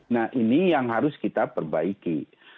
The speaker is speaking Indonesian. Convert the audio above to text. nah ini yang harus kita perbaiki